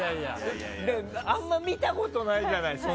あんま見たことないじゃない。